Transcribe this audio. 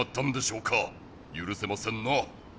ゆるせませんな！